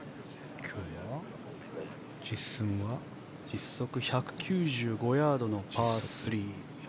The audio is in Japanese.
実測１９５ヤードのパー３。